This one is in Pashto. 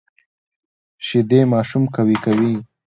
شیدې ماشوم قوي کوي